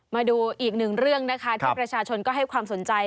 มาดูอีกหนึ่งเรื่องนะคะที่ประชาชนก็ให้ความสนใจ